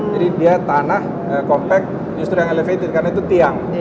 jadi dia tanah kompak justru yang elevated karena itu tiang